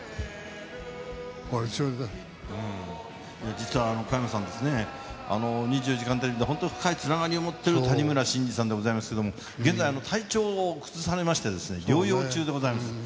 実は加山さんですね、２４時間テレビで本当に深いつながりを持っている谷村新司さんでございますけれども、現在、体調を崩されましてですね、療養中でございます。